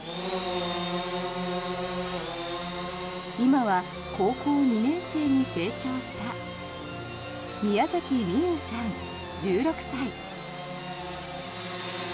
今は高校２年生に成長した宮崎美侑さん、１６歳。